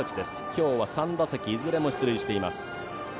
今日は３打席いずれも出塁しています。